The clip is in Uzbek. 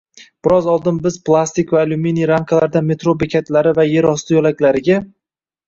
Biroz oldin biz plastik va alyuminiy ramkalardan metro bekatlari va er osti yo'laklariga